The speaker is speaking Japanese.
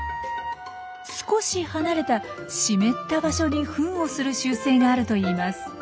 少し離れた湿った場所にフンをする習性があるといいます。